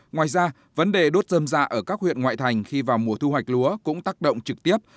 ngoài ra vấn đề đốt dơm dạ ở các huyện ngoại thành khi vào mùa thu hoạch lúa cũng tác động trực tiếp